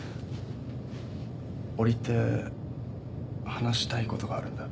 折り入って話したいことがあるんだ。